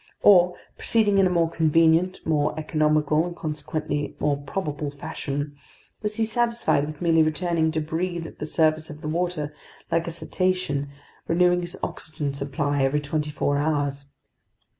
Or, proceeding in a more convenient, more economical, and consequently more probable fashion, was he satisfied with merely returning to breathe at the surface of the water like a cetacean, renewing his oxygen supply every twenty four hours?